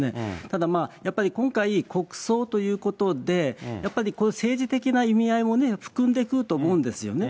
ただ、やっぱり今回、国葬ということで、やっぱり政治的な意味合いも含んでくると思うんですよね。